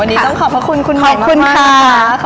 วันนี้ต้องขอบพระคุณคุณหมายมากค่ะ